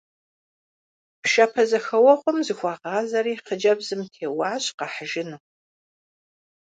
Пшапэзэхэуэгъуэм зыхуагъазэри хъыджэбзым теуащ къахьыжыну.